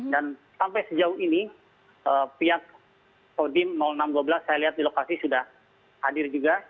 dan sampai sejauh ini pihak odim enam ratus dua belas saya lihat di lokasi sudah hadir juga